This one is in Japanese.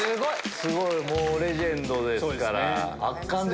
すごいもうレジェンドですから。